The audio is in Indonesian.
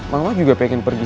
mama juga pengen pergi